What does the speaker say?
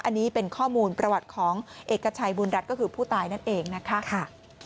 อันนี้เป็นข้อมูลประวัติของเอกชัยบุญรัฐก็คือผู้ตายนั่นเองนะคะ